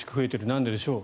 なんででしょう。